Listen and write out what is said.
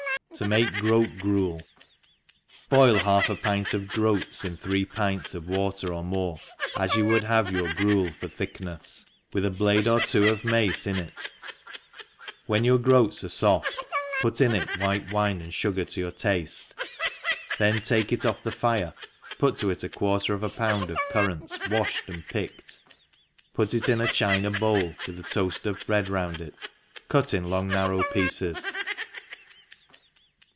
« sr<? make Groat Gruei; BOIL half a pint of groats in three pints of water or more, as you would have your gruel for thicknefs, with a blade or tv^o «f mace in it; when your groats arc foft, put in it white wine and fugar to your tafte, then take it off the fire, put to it a quarter of a pound of currants waihed and picked, put it in a China bowl, with a toaft of bread round it, cut in long narrow pieces.